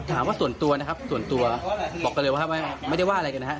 ส่วนตัวนะครับส่วนตัวบอกกันเลยว่าไม่ได้ว่าอะไรกันนะฮะ